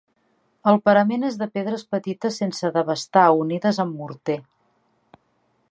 El parament és de pedres petites sense devastar unides amb morter.